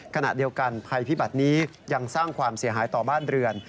ขณะเดียวกันภัยพิบัตินี้ยังสร้างความเสียหายต่อบ้านเรือน